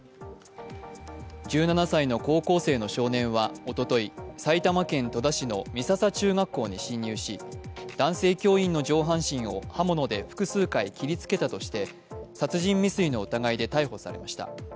１７歳の高校生の少年は、おととい埼玉県戸田市の美笹中学校に侵入し、男性教員の上半身を刃物で複数回切りつけたとして、殺人未遂の疑いで逮捕されました。